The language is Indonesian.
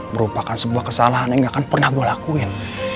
merupakan sebuah kesalahan yang gak akan pernah gue lakuin